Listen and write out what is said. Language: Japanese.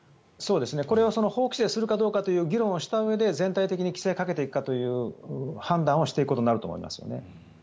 これは法規制するかどうかという議論をしたうえで全体的に規制をかけていく判断をしていくことになると思いますね。